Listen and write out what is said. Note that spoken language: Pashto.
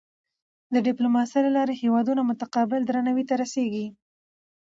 د ډیپلوماسۍ له لارې هېوادونه متقابل درناوي ته رسيږي.